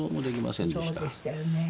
そうでしたよね。